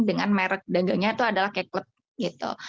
dengan merek dagangnya itu adalah keklet gitu